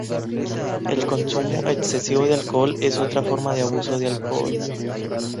El consumo excesivo de alcohol es otra forma de abuso de alcohol.